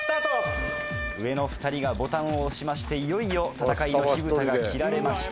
上の２人がボタンを押しましていよいよ戦いの火ぶたが切られました。